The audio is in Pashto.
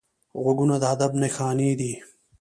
غوږونه د ادب نښانې دي